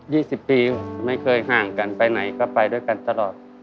สิบปีไม่เคยห่างกันไปไหนก็ไปด้วยกันตลอด